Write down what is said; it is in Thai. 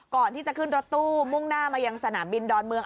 ก่อนที่จะขึ้นรถตู้มุ่งหน้ามายังสนามบินดอนเมือง